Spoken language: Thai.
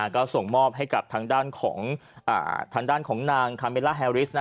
ก็ส่งมอบให้กับทางด้านของทางด้านของนางคาเมล่าแฮริส